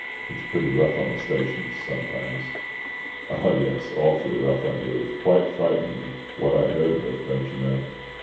It's pretty rough on the stations sometimes." "Ah! yes; awf'lly rough, I believe. Quite frightened me, what I heard of it, don't you know.